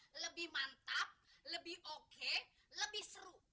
lebih mantap lebih oke lebih seru